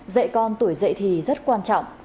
dạy con tuổi dạy thì rất quan trọng